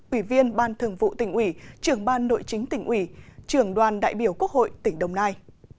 ủy viên ban thường vụ tỉnh ủy trưởng ban nội chính tỉnh ủy trưởng đoàn đại biểu quốc hội tỉnh đồng nai